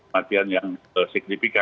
matian yang signifika